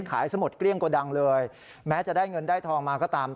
สมุดเกลี้ยงโกดังเลยแม้จะได้เงินได้ทองมาก็ตาม